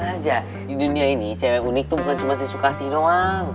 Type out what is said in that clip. emang aja di dunia ini cewek unik tuh bukan cuma sukasi doang